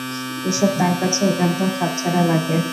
এসব তার কাছে একান্ত খাপছাড়া লাগে।